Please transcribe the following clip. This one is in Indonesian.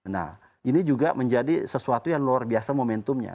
nah ini juga menjadi sesuatu yang luar biasa momentumnya